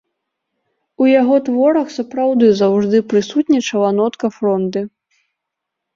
У яго творах сапраўды заўжды прысутнічала нотка фронды.